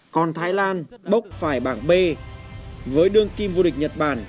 còn thái lan bốc phải bảng b với đương kim vô địch nhật bản